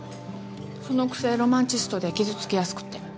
そのくせロマンチストで傷つきやすくて。